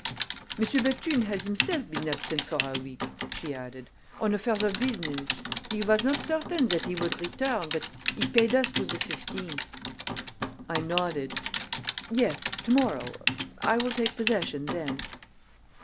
"Monsieur Bethune has himself been absent for a week," she added, "on affairs of business. He was not certain that he would return, but he paid us to the fifteenth." I nodded. "Yes: to morrow I will take possession then."